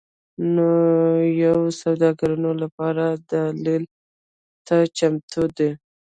د نویو سوداګانو لپاره دلالۍ ته چمتو دي.